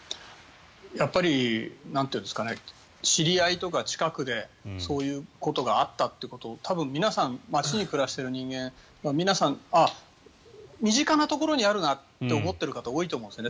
やっぱり知り合いとか近くでそういうことがあったということ多分、街に暮らしている皆さん、身近なところにあるなと思っている方多いと思うんですね。